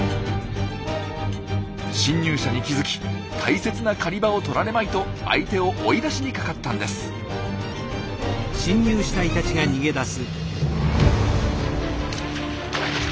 侵入者に気付き大切な狩り場をとられまいと相手を追い出しにかかったんです。